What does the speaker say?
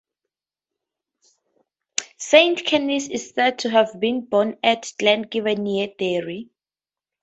Saint Canice is said to have been born at Glengiven near Derry.